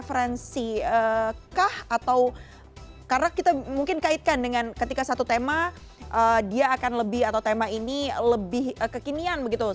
karena kita mungkin kaitkan dengan ketika satu tema dia akan lebih atau tema ini lebih kekinian begitu